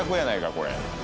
これ。